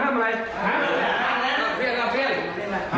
ระวังข้างบนนะระวัง